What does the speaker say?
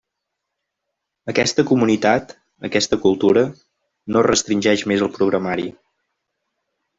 Aquesta comunitat, aquesta cultura, no es restringeix més al programari.